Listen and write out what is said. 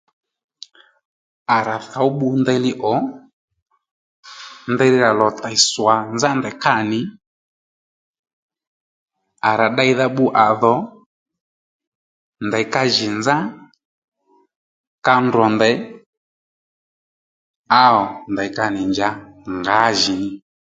À rà thǒw bbu ndèyli ò ndeyli rà lò tèy swà nzá ndèy kâ nì à rà ddeydha bbu à dhò ndèy ka jì nzá ka ndrò ndèy á wò ndèy ka nì njǎ ngǎjìní